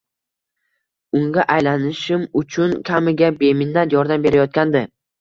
Unga aylanishim uchun kaminaga beminnat yordam berayotgandi.